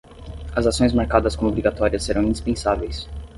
As ações marcadas como obrigatórias serão indispensáveis.